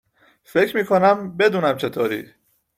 فکر می کنم بدونم چطوری